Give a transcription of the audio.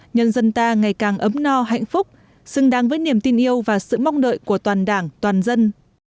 nhân dân ta ngày càng ấm no hạnh phúc xứng đáng với niềm tin yêu và sự mong đợi của toàn đảng toàn dân